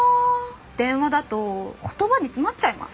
電話だと言葉に詰まっちゃいます。